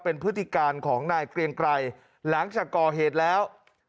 เป็นพฤติการของนายเกรียงไกรหลังจากก่อเหตุแล้ว